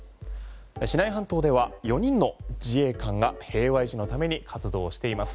シナイ半島では４人の自衛官が平和維持のために活動しています。